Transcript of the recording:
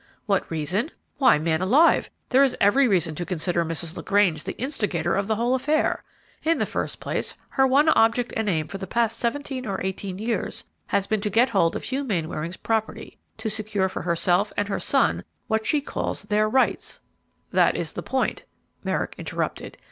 "What reason? Why, man alive! there is every reason to consider Mrs. LaGrange the instigator of the whole affair. In the first place, her one object and aim for the past seventeen or eighteen years has been to get hold of Hugh Mainwaring's property, to secure for herself and her son what she calls their 'rights' " "That is the point," Merrick interrupted.